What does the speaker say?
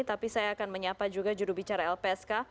tapi saya akan menyapa juga judul bicara lpsk